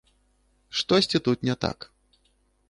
Штосьці тут не так.